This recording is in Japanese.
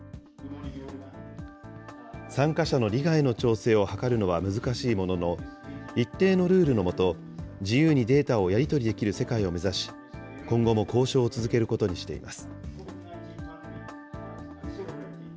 参加者の利害の調整を図るのは難しいものの、一定のルールの下、自由にデータをやり取りできる世界を目指し、今後も交渉を続けることにしています。